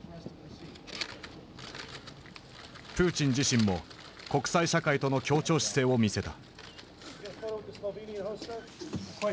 プーチン自身も国際社会との協調姿勢を見せた。